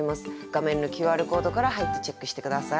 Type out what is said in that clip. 画面のＱＲコードから入ってチェックして下さい。